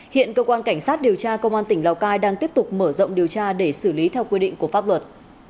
hiện cơ quan cảnh sát điều tra công an tỉnh lào cai đang tiếp tục mở rộng điều tra để xử lý theo quy định của pháp luật